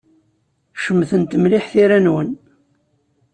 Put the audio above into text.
Cemtent mliḥ tira-nwen.